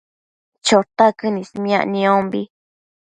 Chotaquën ismiac niombi